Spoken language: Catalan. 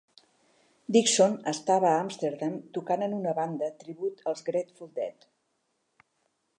Dixon estava a Amsterdam tocant en una banda tribut als Grateful Dead.